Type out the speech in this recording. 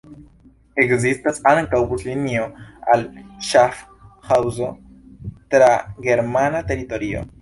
Ekzistas ankaŭ buslinio al Ŝafhaŭzo tra germana teritorio.